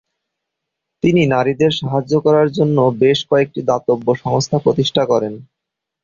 তিনি নারীদের সাহায্য করার জন্য বেশ কয়েকটি দাতব্য সংস্থা প্রতিষ্ঠা করেন।